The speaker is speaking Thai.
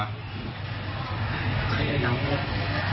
แต่คนที่เบิ้ลเครื่องรถจักรยานยนต์แล้วเค้าก็ลากคนนั้นมาทำร้ายร่างกาย